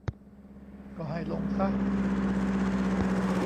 ก็ให้ลงซะ